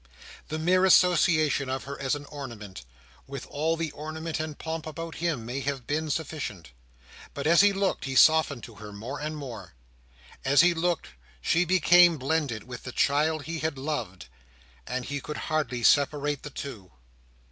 The mere association of her as an ornament, with all the ornament and pomp about him, may have been sufficient. But as he looked, he softened to her, more and more. As he looked, she became blended with the child he had loved, and he could hardly separate the two.